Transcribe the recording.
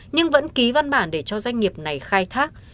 nhưng vẫn ký văn bản để cho doanh nghiệp này khai thác